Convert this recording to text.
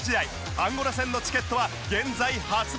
アンゴラ戦のチケットは現在発売中！